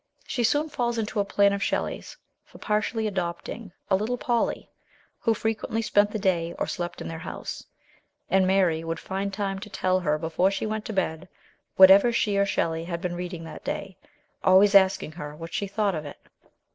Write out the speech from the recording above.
She soon falls into a plan of Shelley's for partially adopting a little Polly who frequently spent the day or slept in their house, and Mary would find time to tell her before she went to bed whatever she 122 MBS. SHELLEY. or Shelley had been reading that day, always asking her what she thought of it.